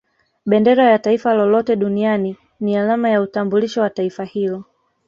Bendera ya Taifa lolote Duniani ni alama ya utambulisho wa Taifa hilo